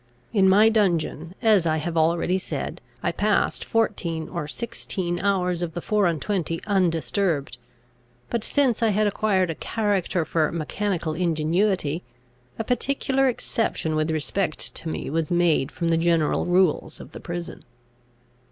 In my dungeon, as I have already said, I passed fourteen or sixteen hours of the four and twenty undisturbed; but since I had acquired a character for mechanical ingenuity, a particular exception with respect to me was made from the general rules of the prison.